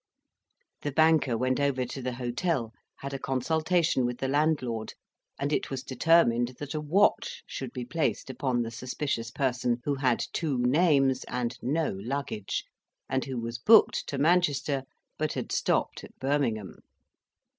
The banker went over to the hotel, had a consultation with the landlord, and it was determined that a watch should be placed upon the suspicious person who had two names and no luggage, and who was booked to Manchester but had stopped at Birmingham.